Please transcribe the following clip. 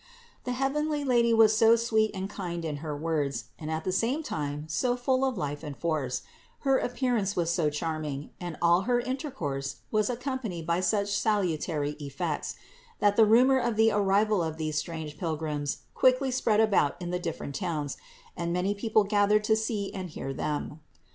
645. The heavenly Lady was so sweet and kind in her words, and at the same time so full of life and force; her appearance was so charming, and all her in tercourse was accompanied by such salutary effects, that the rumor of the arrival of these strange Pilgrims quickly spread about in the different towns, and many people gathered to see and hear Them.